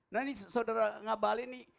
nah ini saudara ngabalin nih